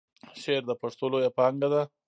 شعر د پښتو لویه پانګه ده.